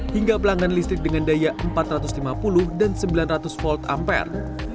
hingga pelanggan listrik dengan daya empat ratus lima puluh dan sembilan ratus volt ampere